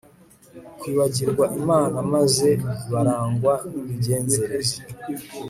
kwibagirwa Imana maze barangwa nimigenzereze